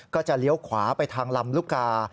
จะเลี้ยวขวาไปทางลำลูกกา